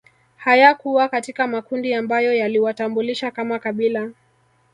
Hayakuwa katika makundi ambayo yaliwatambulisha kama kabila